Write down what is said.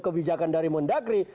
kebijakan dari mendagri